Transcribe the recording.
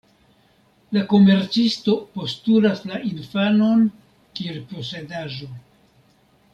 La komercisto postulas la infanon kiel posedaĵo.